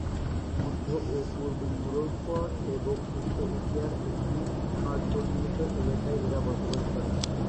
মধ্য ও পূর্ব ইউরোপ এবং উত্তর এশিয়ার একটি সন্নিহিত এলাকায় এরা বসবাস করে।